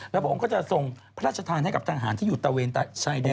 แล้วพระองค์ก็จะทรงพระราชทานให้กับทหารที่อยู่ตะเวนชายแดน